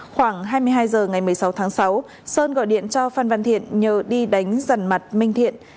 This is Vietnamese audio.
khoảng hai mươi hai h ngày một mươi sáu tháng sáu sơn gọi điện cho phan văn thiện nhờ đi đánh dần mặt minh thiện